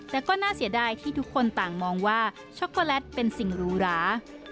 แต่ก็น่าเสียดายที่ทุกคนต่างมองว่าช็อกโกแลตเป็นสิ่งหรูหรา